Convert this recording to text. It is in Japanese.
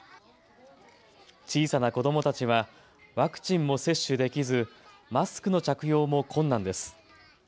小さな子どもたちはワクチンも接種できずマスクの着用も困難です。